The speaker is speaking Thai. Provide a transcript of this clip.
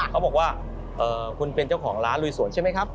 เขาบอกว่าคุณเป็นเจ้าของร้านลุยสวนใช่ไหมครับ